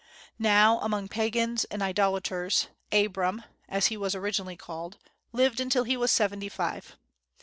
Now, among pagans and idolaters Abram (as he was originally called) lived until he was seventy five.